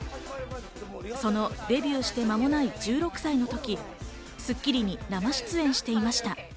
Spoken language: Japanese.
そのデビューして間もない１６歳の時、『スッキリ』に生出演していました。